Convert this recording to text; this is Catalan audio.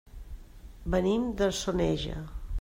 Venim de Soneja.